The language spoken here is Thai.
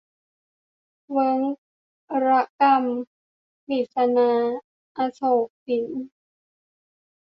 เวิ้งระกำ - กฤษณา อโศกสิน